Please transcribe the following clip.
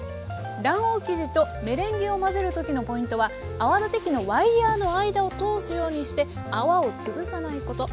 卵黄生地とメレンゲを混ぜる時のポイントは泡立て器のワイヤーの間を通すようにして泡を潰さないこと。